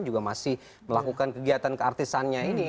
juga masih melakukan kegiatan keartisannya ini